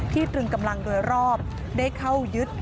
ตรึงกำลังโดยรอบได้เข้ายึด